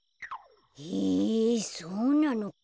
へえそうなのか。